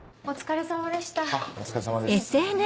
お疲れさまでした。